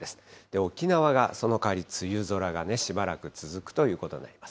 沖縄がそのかわり、梅雨空がしばらく続くということになります。